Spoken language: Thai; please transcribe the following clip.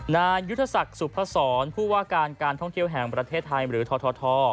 นายุทธศักดิ์สุพศรผู้ว่าการการท่องเที่ยวแห่งประเทศไทยหรือทท